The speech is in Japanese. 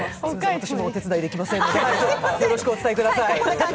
私もお手伝いできませんのでよろしくお伝えください。